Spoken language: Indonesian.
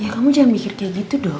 ya kamu jangan mikir kayak gitu dong